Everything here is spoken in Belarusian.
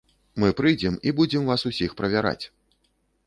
Мы прыйдзем і будзем вас усіх правяраць.